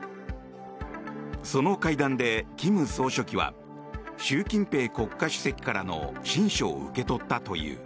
その会談で金総書記は習近平国家主席からの親書を受け取ったという。